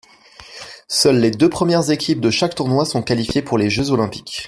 Seules les deux premières équipes de chaque tournoi sont qualifiées pour les Jeux olympiques.